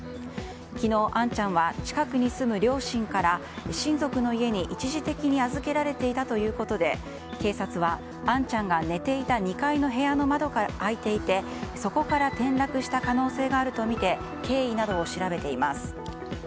昨日、杏ちゃんは近くに住む両親から親族の家に一時的に預けられていたということで警察は杏ちゃんが寝ていた２階の部屋の窓が開いていてそこから転落した可能性があるとみて経緯などを調べています。